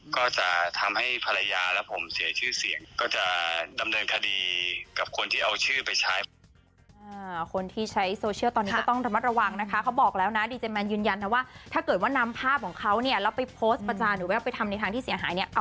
ก็จะทำให้ภรรยาและผมเสียชื่อเสียงก็จะดำเนินคดีกับคนที่เอาชื่อไปใช้